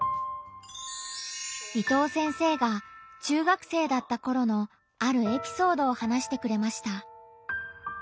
伊藤先生が中学生だったころのあるエピソードを話してくれました。